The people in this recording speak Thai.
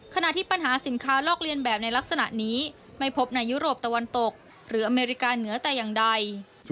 ขณะที่ปัญหาสินค้าลอกเลียนแบบในลักษณะนี้ไม่พบในยุโรปตะวันตกหรืออเมริกาเหนือแต่อย่างใด